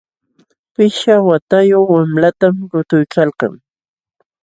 Pishqa watayuq wamlatam lutuykalkan.